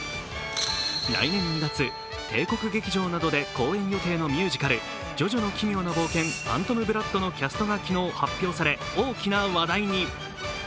来年２月、帝国劇場などで公演予定のミュージカル、「ジョジョの奇妙な冒険ファントムブラッド」のキャストが昨日発表され、大きな話題に。